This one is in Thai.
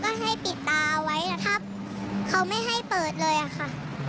แล้วก็ให้ปิดตาเอาไว้ถ้าเขาไม่ให้เปิดเลยค่ะ